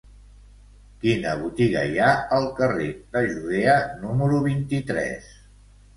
Quina botiga hi ha al carrer de Judea número vint-i-tres?